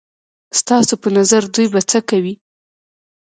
ستاسو په نظر دوی به څه کوي؟